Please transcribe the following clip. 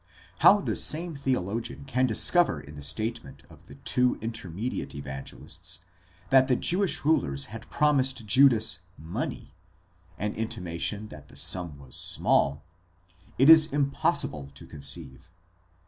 How the same theologian can discover in the statement of the two intermediate Evangelists, that the Jewish rulers had promised Judas money, ἀργύριον, an intimation that the sum was small, it is impossible to conceive.